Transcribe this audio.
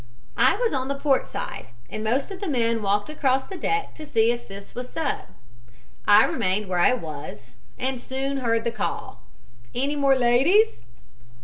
"I was on the port side, and most of the men walked across the deck to see if this was so I remained where I was and soon heard the call: "'Any more ladies?'